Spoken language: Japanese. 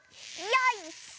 よいしょ！